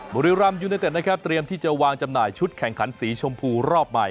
บุรีรำยูเนเต็ดนะครับเตรียมที่จะวางจำหน่ายชุดแข่งขันสีชมพูรอบใหม่